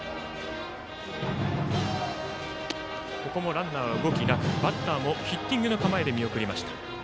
ランナーは動きなくバッターもヒッティングの構えで見送りました。